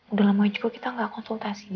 udah lama juga kita gak konsultasi